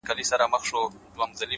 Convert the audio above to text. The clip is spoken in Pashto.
د بدمستۍ برزخ ته ټول عقل سپارمه ځمه’